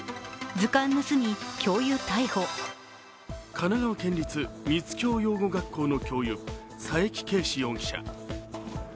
神奈川県立三ツ境養護学校の教諭、佐伯啓史容疑者。